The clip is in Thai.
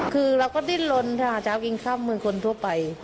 คือเราก็ดิ้นลนชาวกินข้าวหมื่นคนทั่วไป